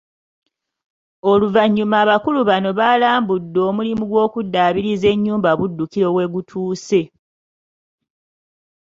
Oluvannyuma abakulu bano balambudde omulimu gw’okuddaabiriza ennyumba Buddukiro we gutuuse.